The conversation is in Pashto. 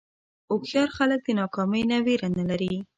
هوښیار خلک د ناکامۍ نه وېره نه لري.